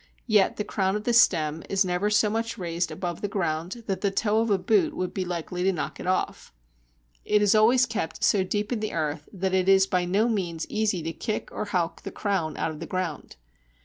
Yet the crown of the stem is never so much raised up above the ground that the toe of a boot would be likely to knock it off. It is always kept so deep in the earth, that it is by no means easy to kick or "howk" the crown out of the ground.